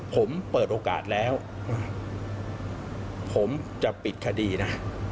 ผมเปิดโอกาสแล้วผมจะปิดคดีนะ